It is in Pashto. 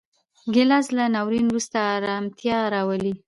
ګیلاس له ناورین وروسته ارامتیا راولي.